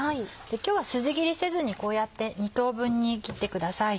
今日は筋切りせずにこうやって２等分に切ってください。